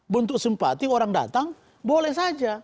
bentuk simpati orang datang boleh saja